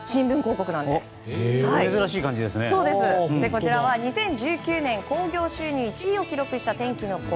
こちらは２０１９年興行収入１位を記録した「天気の子」。